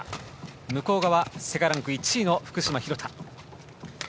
向こう側、世界ランク１位の福島、廣田。